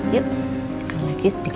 yuk sekali lagi sedikit lagi